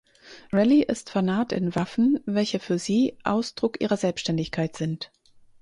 Rally ist vernarrt in Waffen, welche für sie Ausdruck ihrer Selbständigkeit sind.